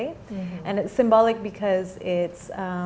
dan itu simbolik karena